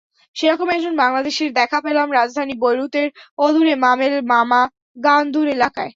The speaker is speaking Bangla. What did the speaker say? সেরকম একজন বাংলাদেশির দেখা পেলাম রাজধানী বৈরুতের অদূরে মামেল মামাগানদুর এলাকায়।